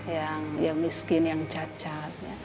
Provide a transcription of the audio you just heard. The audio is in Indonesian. yang miskin yang cacat